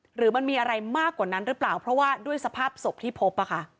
หรือมันมีอะไรมากกว่านั้นหรือเปล่าเพราะว่าด้วยสภาพศพที่พบ